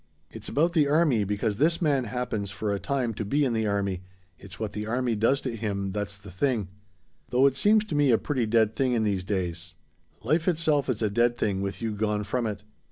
It's about the army because this man happens, for a time, to be in the army it's what the army does to him that's the thing. "Though it seems to me a pretty dead thing in these days. Life itself is a dead thing with you gone from it."